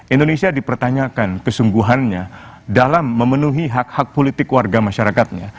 indonesia dipertanyakan kesungguhannya dalam memenuhi hak hak politik warga masyarakatnya